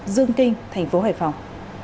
dương kinh thành phố hải phòng